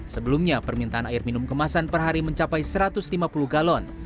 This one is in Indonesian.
sebelumnya permintaan air minum kemasan per hari mencapai satu ratus lima puluh galon